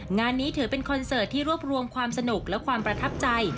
งานนี้ถือเป็นคอนเสิร์ตที่รวบรวมความสนุกและความประทับใจ